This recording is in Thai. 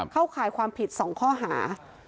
เข้าขายความผิดสองข้อหา